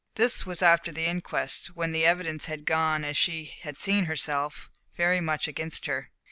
This was after the inquest, when the evidence had gone as she had seen herself, very much against her.